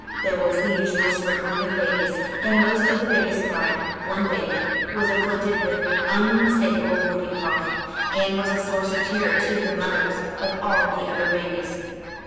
There was the usual sprinkling of babies, and most of the babies cried. One baby was afflicted with unmistakable whooping cough, and was a source of terror to the mothers of all the other babies.